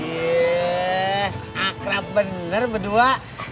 jeeh akrab bener berdua